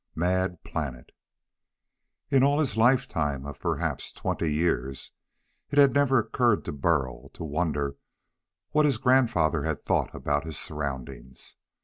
1. MAD PLANET In all his lifetime of perhaps twenty years, it had never occurred to Burl to wonder what his grandfather had thought about his surroundings.